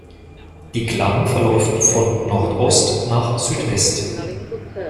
Die Klamm verläuft von Nordost nach Südwest.